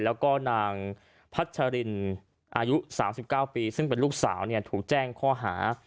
แล้วก็นางพัชรินอายุ๓๙ปีซึ่งเป็นลูกสาวถูกแจ้งข้อหา